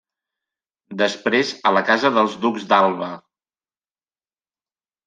Després a la casa dels ducs d'Alba.